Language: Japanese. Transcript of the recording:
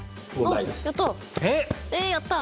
やった！